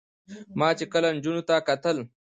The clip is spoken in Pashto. ما چې کله نجونو ته کتل